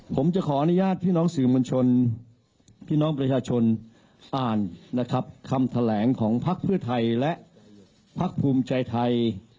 ผมจะขออนุญาตพี่น้องสื่อมวลชนพี่น้องประชาชนอ่านนะครับคำแถลงของพักเพื่อไทยและพักภูมิใจไทย